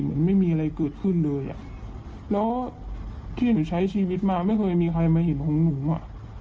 ไม่มีอะไรเกิดขึ้นเลยอ่ะแล้วที่หนูใช้ชีวิตมาไม่เคยมีใครมาเห็นของหนูอ่ะ